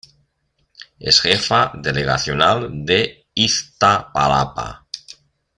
Es Jefa Delegacional de Iztapalapa.